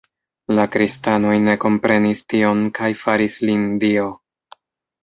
La kristanoj ne komprenis tion kaj faris lin dio.